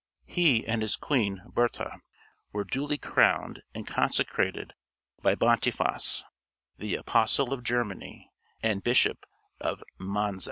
He and his queen, Bertha, were duly crowned and consecrated by Boniface, the "Apostle of Germany," and Bishop of Mainz.